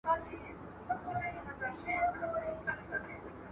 انګلیسي ځواکونه د افغانانو د ځیرکتیا په وړاندې مات شول.